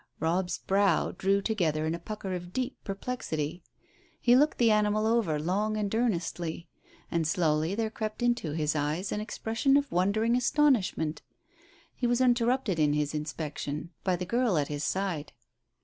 Robb's brows drew together in a pucker of deep perplexity. He looked the animal over long and earnestly, and slowly there crept into his eyes an expression of wondering astonishment. He was interrupted in his inspection by the girl at his side.